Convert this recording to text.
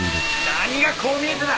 何が「こう見えて」だ！？